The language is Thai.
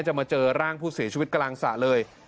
มาเจอร่างผู้เสียชีวิตกลางสระเลย